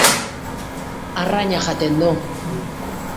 Arraina jaten du.